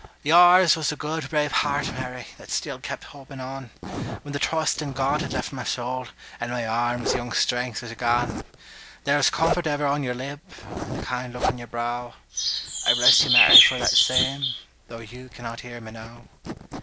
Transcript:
Yours was the good, brave heart, Mary, That still kept hoping on. When the trust in God had left my soul, And my arm's young strength was gone; There was comfort ever on your lip, And the kind look on your brow, I bless you, Mary, for that same, Though you cannot hear me now.